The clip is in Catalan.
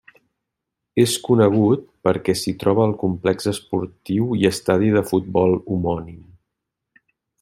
És conegut perquè s'hi troba el complex esportiu i estadi de futbol homònim.